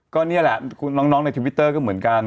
ก็นี่แหละน้องในทวิตเตอร์ก็เหมือนกัน